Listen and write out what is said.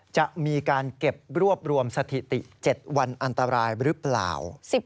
จะมีการเก็บรวบรวมสถิติ๗วันอันตรายหรือเปล่า